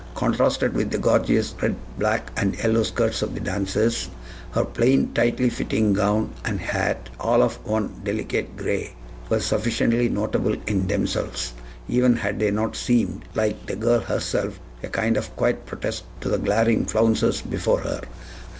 Contrasted with the gorgeous red, black, and yellow skirts of the dancers, her plain, tightly fitting gown and hat, all of one delicate gray, were sufficiently notable in themselves, even had they not seemed, like the girl herself, a kind of quiet protest to the glaring flounces before her.